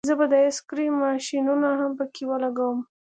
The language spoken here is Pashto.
زه به د آیس کریم ماشینونه هم پکې ولګوم